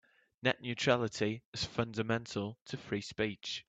Net neutrality is fundamental to free speech.